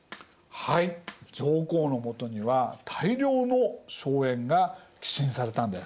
上皇のもとには大量の荘園が寄進されたんです。